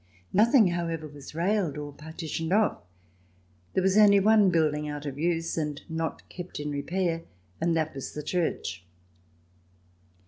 Nothing, however, was railed or partitioned off. There was only one building out of use and not kept in repair, and that was the church.